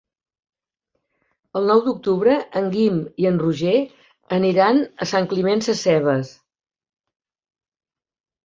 El nou d'octubre en Guim i en Roger aniran a Sant Climent Sescebes.